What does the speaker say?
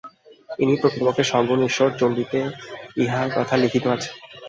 ইনিই প্রকৃতপক্ষে সগুণ ঈশ্বর, চণ্ডীতে ইঁহার কথা লিখিত আছে।